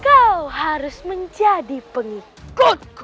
kau harus menjadi pengikutku